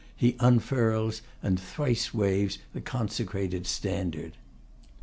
he unfurls, and thrice waves the consecrated standard.